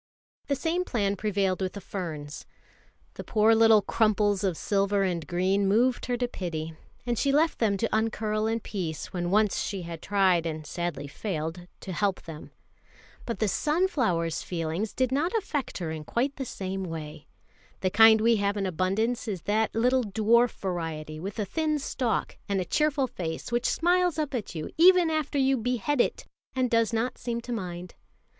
The same plan prevailed with the ferns. The poor little crumples of silver and green moved her to pity, and she left them to uncurl in peace when once she had tried and sadly failed to help them. But the sunflowers' feelings did not affect her in quite the same way. The kind we have in abundance is that little dwarf variety with a thin stalk, and a cheerful face which smiles up at you even after you behead it, and does not seem to mind.